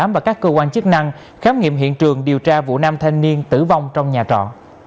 và các cơ quan chức năng khám nghiệm hiện trường điều tra vụ năm thanh niên tử vong trong nhà trọ